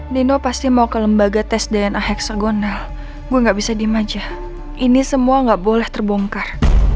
nino pasti mau ke lembaga tes dna heksagonal gua nggak bisa di maja ini semua nggak boleh terbongkar